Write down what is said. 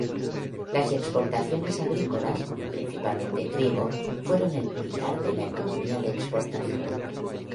Las exportaciones agrícolas, principalmente trigo, fueron el pilar de la economía de exportación.